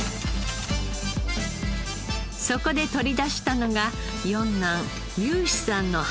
そこで取り出したのが四男雄志さんの白仙。